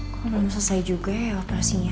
kok belum selesai juga ya operasinya